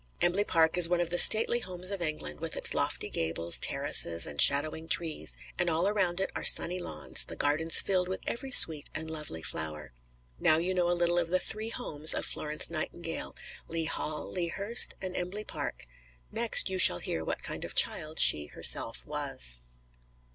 Embley Park is one of the stately homes of England, with its lofty gables, terraces and shadowing trees; and all around it are sunny lawns, and gardens filled with every sweet and lovely flower. Now you know a little of the three homes of Florence Nightingale, Lea Hall, Lea Hurst, and Embley Park; next you shall hear what kind of child she herself was.